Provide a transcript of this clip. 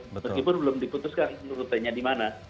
meskipun belum diputuskan rutenya di mana